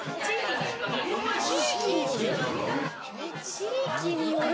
地域による。